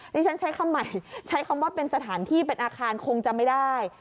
ดิฉันใช้คำใหม่ใช้คำว่าเป็นสถานที่เป็นอาคารคงจะไม่ได้